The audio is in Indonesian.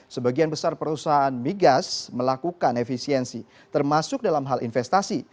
sebagian besar perusahaan migas melakukan efisiensi termasuk dalam hal investasi